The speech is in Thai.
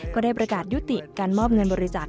ก็ได้ประกาศยุติการมอบเงินบริจาค